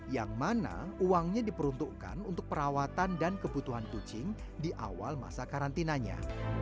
yang mana uangnya diperuntukkan untuk perawatan dan kebutuhan kucing di awal masa karantinanya